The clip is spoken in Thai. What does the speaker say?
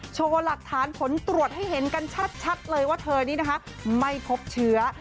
โชว์หลักฐานผลตรวจให้เห็นกันชัดเลยว่าเธอนี้นะคะไม่พบเชื้อ